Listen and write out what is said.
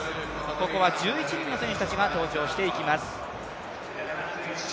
ここは１１人の選手たちが登場していきます。